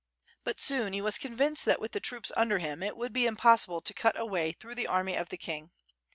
But soon he was convinced that with the troops under him it would be impossible to cut a way through the army of the king.